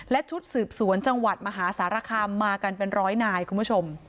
และชุดสืบสวนจังหวัดมหาสารคามมากันเป็นร้อยนายคุณผู้ชม